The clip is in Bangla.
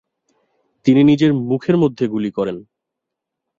তিনি নিজের মুখের মধ্যে গুলি করেন।